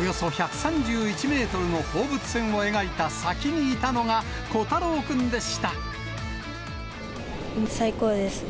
およそ１３１メートルの放物線を描いた先にいたのが虎太郎君でし最高です。